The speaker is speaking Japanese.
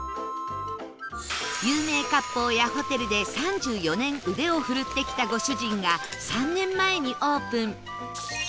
有名割烹やホテルで３４年腕を振るってきたご主人が３年前にオープン